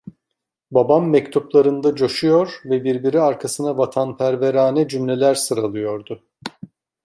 Babam, mektuplarında coşuyor ve birbiri arkasına vatanperverane cümleler sıralıyordu.